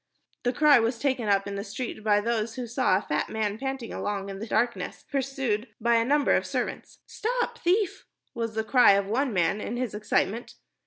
The cry was taken up in the street by those who saw a fat man panting along in the darkness, pursued by a number of servants. "Stop thief!" was the cry of one man in his excitement.